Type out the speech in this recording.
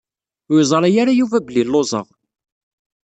Ur yeẓri ara Yuba belli lluẓeɣ.